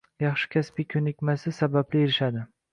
yaxshi kasbiy ko’nikmasi sababli erishadi